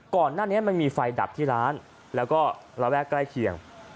ก่อนหน้านี้มันมีไฟดับที่ร้านแล้วก็ระแวกใกล้เคียง